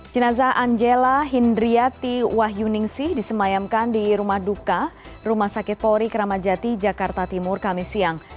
jenazah angela hindriyati wahyuningsi disemayamkan di rumah duka rumah sakit pori keramat jati jakarta timur kamis siang